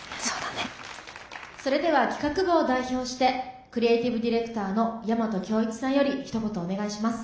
それでは企画部を代表してクリエイティブディレクターの大和響一さんよりひと言お願いします。